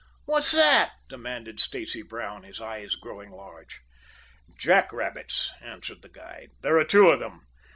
"What's that?" demanded Stacy Brown, his eyes growing large. "Jack rabbits," answered the guide. "There are two of them.